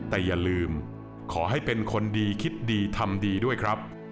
แต่อย่าลืมขอให้เป็นคนดีคิดดีทำดีด้วยครับ